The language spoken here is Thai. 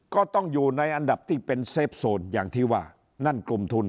ก็ต้องอยู่ในอันดับที่เป็นเซฟโซนอย่างที่ว่านั่นกลุ่มทุน